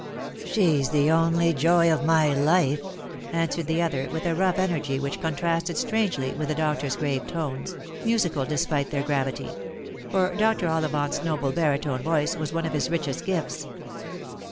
" She's the only joy of my life," answered the other, with a rough energy which contrasted strangely with the doctor's grave tones — musical despite their gravity; for Dr. Ollivant's noble baritone voice was one of his richest gifts.